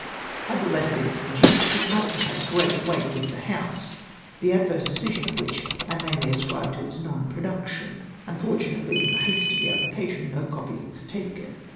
! Had the letter been produced, it must have had great Aveight Avith the House, the adverse decision of which I mainly ascribe to its nonproduction. Unfortunately, in the haste of the application, no copy was taken.